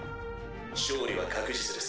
勝利は確実です。